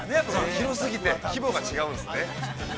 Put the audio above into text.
◆広すぎて、規模が違うんですね。